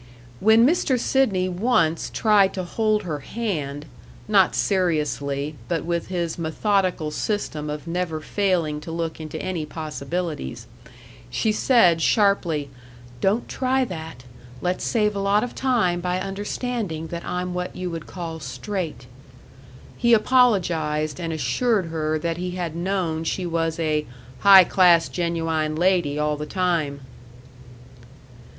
When Mr. Sidney once tried to hold her hand (not seriously, but with his methodical system of never failing to look into any possibilities), she said, sharply, "Don't try that let's save a lot of time by understanding that I'm what you would call 'straight.'" He apologized and assured her that he had known she was a "high class genuwine lady all the time."